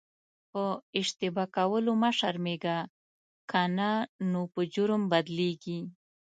په اشتباه کولو مه شرمېږه که نه نو په جرم بدلیږي.